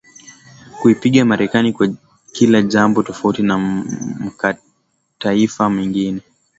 Kuipinga Marekani kwa kila jambo tofauti na mkataifa mengine